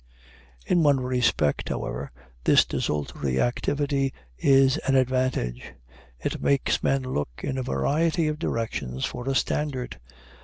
In one respect, however, this desultory activity is an advantage: it makes men look in a variety of directions for a standard.